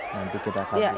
nanti kita akan lihat